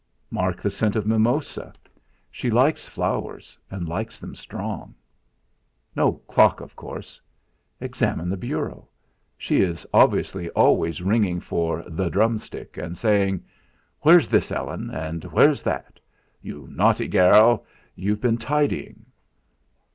Mark the scent of mimosa she likes flowers, and likes them strong. No clock, of course. Examine the bureau she is obviously always ringing for "the drumstick," and saying: "Where's this, Ellen, and where's that? You naughty gairl, you've been tidying."